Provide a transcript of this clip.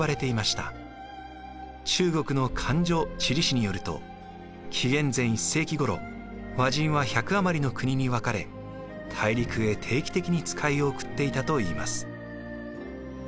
中国の「漢書」地理志によると紀元前１世紀ごろ倭人は１００余りの国に分かれ大陸へ定期的に使いを送っていたといいます。